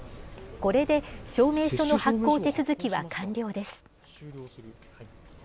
これで、証明書の発行手続きは完了です。